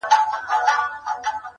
نه دي پوښتنه ده له چا کړې!.